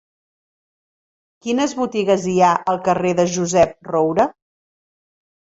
Quines botigues hi ha al carrer de Josep Roura?